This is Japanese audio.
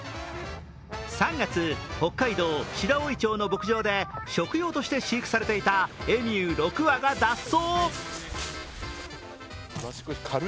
３月、北海道白老町の牧場で食用として飼育されていたエミュー６羽が脱走。